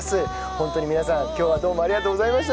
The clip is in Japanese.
本当に皆さん今日はありがとうございました。